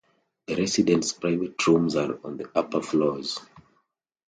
The residents' private rooms are on the upper floors.